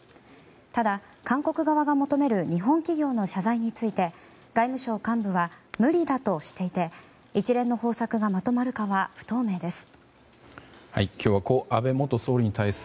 ただ、韓国側が求める日本企業の謝罪について外務省幹部は無理だとしていて一連の方策がまとまるかは不透明です。